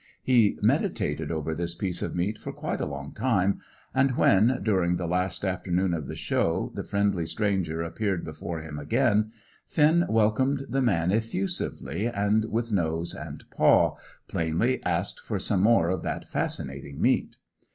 He meditated over this piece of meat for quite a long time, and when, during the last afternoon of the Show, the friendly stranger appeared before him again, Finn welcomed the man effusively, and, with nose and paw, plainly asked for some more of that fascinating meat.